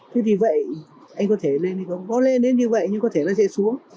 thế thì vậy có lên đến như vậy nhưng có thể nó sẽ xuống